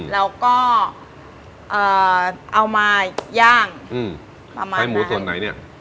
แล้วก็เอ่อเอามาย่างทำไมใช้หมูส่วนไหนเนี่ย